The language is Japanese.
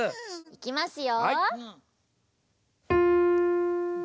いきますよ！